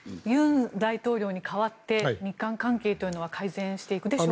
尹大統領に代わって日韓関係というのは改善していくでしょうか。